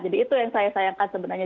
jadi itu yang saya sayangkan sebenarnya